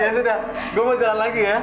ya sudah gue mau jalan lagi ya